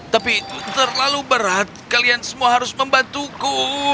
tapi terlalu berat kalian semua harus membantuku